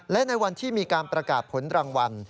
และในวันที่มีการประกาศผลรางวัล